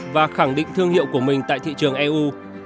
và khẳng định thương hiệu của mình tại thị trường eu